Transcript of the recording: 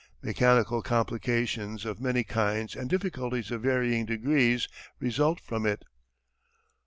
Mechanical complications of many kinds and difficulties of varying degrees result from it.